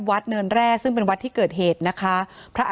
เนินแร่ซึ่งเป็นวัดที่เกิดเหตุนะคะพระ